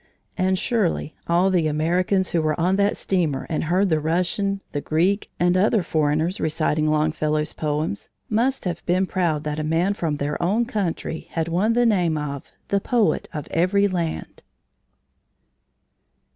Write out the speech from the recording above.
And surely all the Americans who were on that steamer and heard the Russian, the Greek, and other foreigners reciting Longfellow's poems must have been proud that a man from their own country had won the name of "The Poet of Every Land."